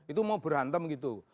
itu mau berhantam gitu